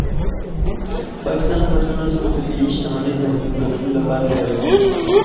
پاکستان د پښتنو سیمو طبیعي شتمنۍ د خپلو ګټو لپاره کاروي.